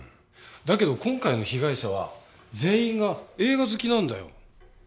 だけど今回の被害者は全員が映画好きなんだよ。